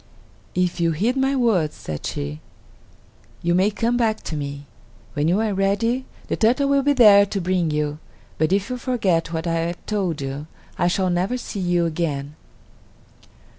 "If you heed my words," said she, "you may come back to me. When you are ready, the turtle will be there to bring you; but if you forget what I have told you, I shall never see you again."